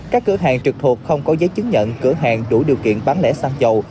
các cửa hàng trực thuộc không có giấy chứng nhận cửa hàng đủ điều kiện bán lẻ xăng dầu